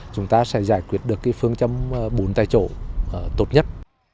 chúng ta sẽ giải quyết được cái phương chấm bốn tại chỗ tốt nhất